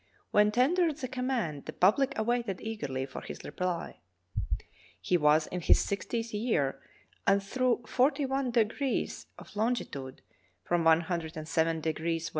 When tendered the command the public awaited eagerly for his reply. He was in his sixtieth year, and through forty one degrees of longitude — from 107° W.